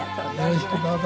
よろしくどうぞ。